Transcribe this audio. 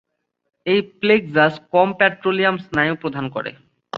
এই প্লেক্সাস কম পেট্রোলিয়াম স্নায়ু প্রদান করে।